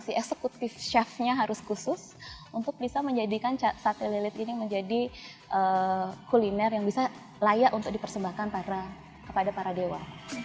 si eksekutif chef nya harus khusus untuk bisa menjadikan sate lilit ini menjadi kuliner yang bisa layak untuk dipersembahkan kepada para dewa